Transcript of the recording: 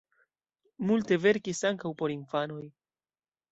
Multe verkis ankaŭ por infanoj.